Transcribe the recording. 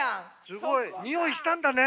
すごい。匂いしたんだね。